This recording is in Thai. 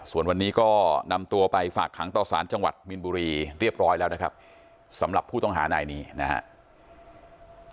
ส่วนวันนี้ก็นำตัวไปฝากขังต่อสารจังหวัดมีนบุรีเรียบร้อยแล้วนะครับสำหรับผู้ต้องหานายนี้นะครับ